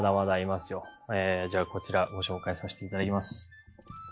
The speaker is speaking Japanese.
じゃあこちらご紹介させていただきます。